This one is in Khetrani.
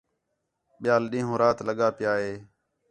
ٻِیال ݙِین٘ہوں، رات لڳا پِیا ہِے